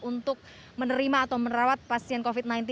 untuk menerima atau merawat pasien covid sembilan belas